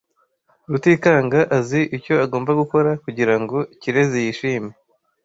Rutikanga azi icyo agomba gukora kugirango Kirezi yishime.